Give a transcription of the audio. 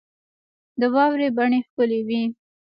د واورې بڼې ښکلي وې.